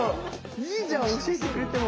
いいじゃん教えてくれても。